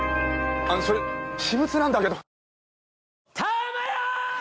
それ私物なんだけど。